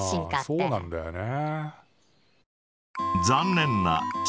うんそうなんだよね。